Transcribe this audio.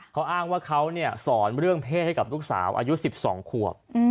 เขาอ้างว่าเขาสอนเรื่องเพศให้กับลูกสาวอายุ๑๒ขวบ